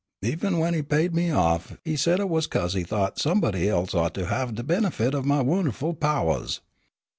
Even w'en he paid me off he said it was 'case he thought somebody else ought to have de benefit of my wunnerful powahs.